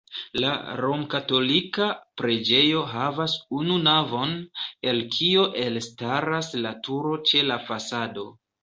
La romkatolika preĝejo havas unu navon, el kio elstaras la turo ĉe la fasado.